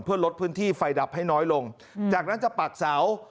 เพื่อลดพื้นที่ไฟดับให้น้อยลงจากนั้นจะปักเสา